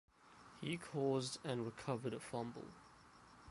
He caused and recovered a fumble.